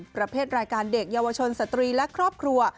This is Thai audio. ประเภทรายการเด็กเยาวชนสตรีและครอบครัว